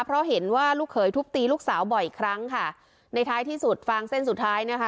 เพราะเห็นว่าลูกเขยทุบตีลูกสาวบ่อยครั้งค่ะในท้ายที่สุดฟางเส้นสุดท้ายนะคะ